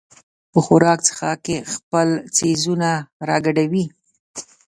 په خوراک څښاک کې خپل څیزونه راګډوي.